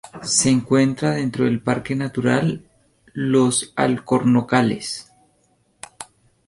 Se encuentra dentro del Parque Natural Los Alcornocales.